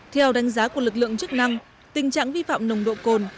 theo đánh giá của lực lượng chức năng tình trạng vi phạm nồng độ cồn